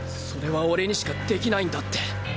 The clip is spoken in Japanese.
それは俺にしかできないんだって。